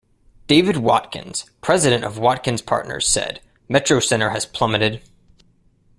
David Watkins, president of Watkins Partners, said, Metrocenter has plummeted.